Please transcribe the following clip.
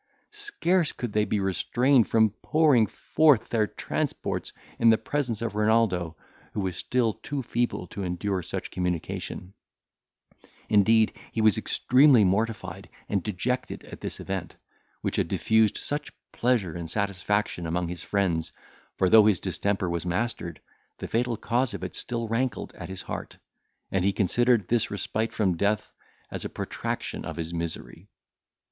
Scarce could they be restrained from pouring forth their transports in the presence of Renaldo, who was still too feeble to endure such communication; indeed, he was extremely mortified and dejected at this event, which had diffused such pleasure and satisfaction among his friends, for though his distemper was mastered, the fatal cause of it still rankled at his heart, and he considered this respite from death as a protraction of his misery.